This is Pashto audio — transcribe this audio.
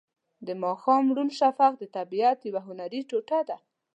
د ماښام روڼ شفق د طبیعت یوه هنري ټوټه ده.